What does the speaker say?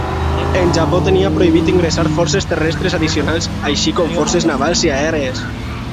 El Japó tenia prohibit ingressar forces terrestres addicionals, així com forces navals i aèries.